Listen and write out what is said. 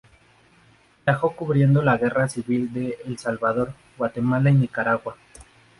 Viajó cubriendo la guerra civil de El Salvador, Guatemala y Nicaragua.